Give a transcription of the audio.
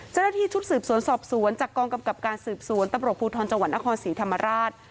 เจ้าหน้าที่ชุดสืบสวนสอบสวนจากกองกำกับการสืบสวนตำรวจภูทรจังหวัดนครศรีธรรมราช